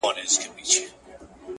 دې ساحل باندي څرک نسته د بيړیو-